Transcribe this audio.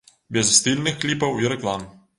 Без стыльных кліпаў і рэклам.